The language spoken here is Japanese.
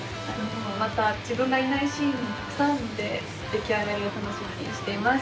また自分がいないシーンもたくさんあるので出来上がりを楽しみにしています。